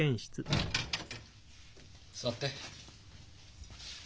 座って。